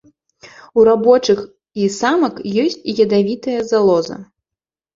У рабочых і самак ёсць ядавітая залоза.